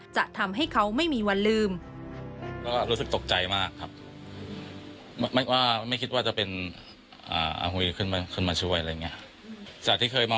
จะทำให้เขาไม่มีวันลืม